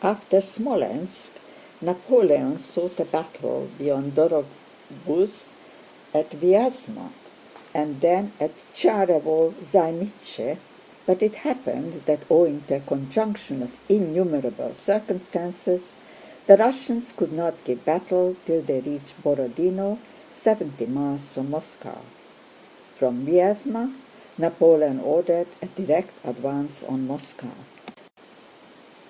After Smolénsk Napoleon sought a battle beyond Dorogobúzh at Vyázma, and then at Tsárevo Zaymíshche, but it happened that owing to a conjunction of innumerable circumstances the Russians could not give battle till they reached Borodinó, seventy miles from Moscow. From Vyázma Napoleon ordered a direct advance on Moscow.